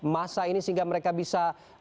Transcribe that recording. masa ini sehingga mereka bisa